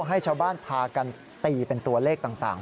ให้ชาวบ้านพากันตีเป็นตัวเลขต่าง